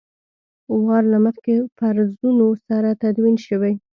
وار له مخکې فرضونو سره تدوین شوي.